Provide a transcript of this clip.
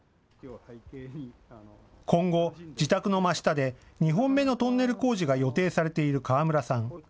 今後、自宅の真下で２本目のトンネル工事が予定されている河村さん。